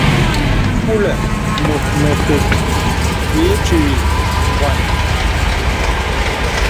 Kulə̀ mùt mèpèk ì itwi bwàn.